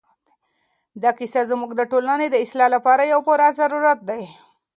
دا کیسه زموږ د ټولنې د اصلاح لپاره یو پوره ضرورت دی.